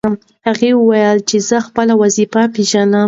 هغه وویل چې زه خپله وظیفه پېژنم.